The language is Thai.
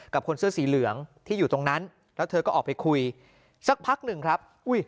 คนเสื้อสีเหลืองที่อยู่ตรงนั้นแล้วเธอก็ออกไปคุยสักพักหนึ่งครับอุ้ย